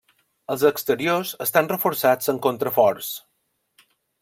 Els exteriors estan reforçats amb contraforts.